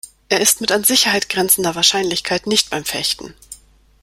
Er ist mit an Sicherheit grenzender Wahrscheinlichkeit nicht beim Fechten.